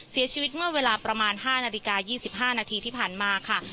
เสียชีวิตเมื่อเวลาประมาณ๕นาฬิกา๒๕นาทีที่ผ่านมาค่ะ